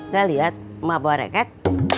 gak liat mau bawa reket